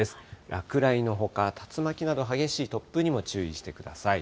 落雷のほか、竜巻など、激しい突風にも注意してください。